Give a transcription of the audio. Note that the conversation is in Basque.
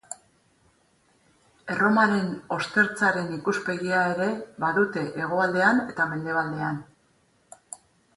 Erromaren ostertzaren ikuspegia ere badute hegoaldean eta mendebaldean.